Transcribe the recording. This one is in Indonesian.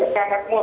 di kamar kemur